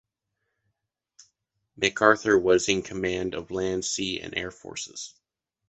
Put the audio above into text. MacArthur was in command of land, sea and air forces.